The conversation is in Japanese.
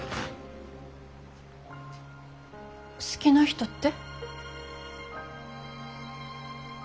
好きな人って？